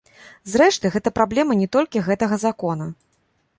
Зрэшты, гэта праблема не толькі гэтага закона.